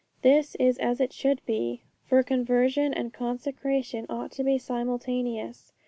This is as it should be, for conversion and consecration ought to be simultaneous.